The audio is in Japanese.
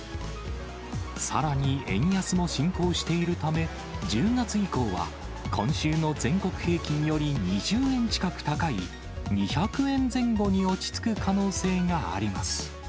さらに円安も進行しているため、１０月以降は、今週の全国平均より２０円近く高い２００円前後に落ち着く可能性があります。